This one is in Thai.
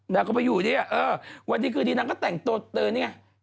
นางก็ไปอยู่นี่เออวันดีคืนดีนางก็แต่งตัวเตอนี่ไง